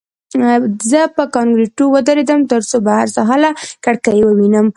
زه په کانکریټو ودرېدم ترڅو بهر ساحه له کړکۍ ووینم